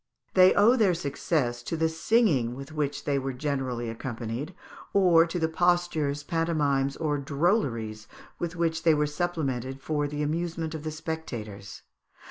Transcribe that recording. They owed their success to the singing with which they were generally accompanied, or to the postures, pantomimes, or drolleries with which they were supplemented for the amusement of the spectators.